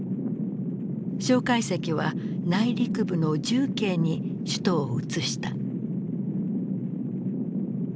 介石は内陸部の重慶に首都をうつした。